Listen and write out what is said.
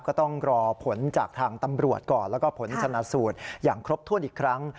ก็ต้องรอผลจากทางตำรวจก่อนแล้วก็ผลชนะสูตรอย่างครบถ้วนอีกครั้ง